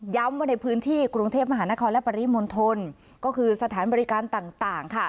ว่าในพื้นที่กรุงเทพมหานครและปริมณฑลก็คือสถานบริการต่างค่ะ